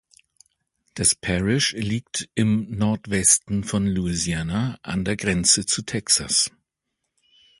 Das Parish liegt im Nordwesten von Louisiana an der Grenze zu Texas.